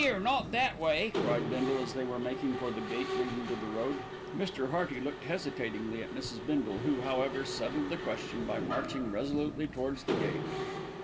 "'Ere, not that way," cried Bindle, as they were making for the gate leading to the road. Mr. Hearty looked hesitatingly at Mrs. Bindle, who, however, settled the question by marching resolutely towards the gate.